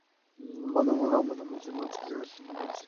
মানে আমরা আমাদের মিউজিক লঞ্চটি দুই দিনের মধ্যে শুরু করব।